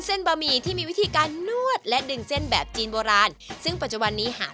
บะหมี่ที่มีวิธีการนวดและดึงเส้นแบบจีนโบราณซึ่งปัจจุบันนี้หาก